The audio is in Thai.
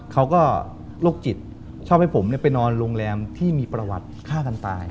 เขาก็โรคจิตชอบให้ผมไปนอนโรงแรมที่มีประวัติฆ่ากันตาย